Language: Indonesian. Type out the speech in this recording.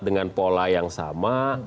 dengan pola yang sama